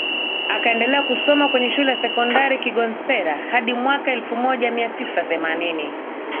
Akaendelea kusoma kwenye Shule ya Sekondari Kigonsera hadi mwaka elfu moja mia tisa themanini